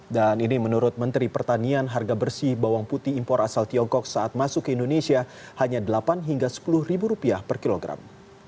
dan ini menurut menteri pertanian harga bersih bawang putih impor asal tiongkok saat masuk ke indonesia hanya rp delapan hingga rp sepuluh per kilogram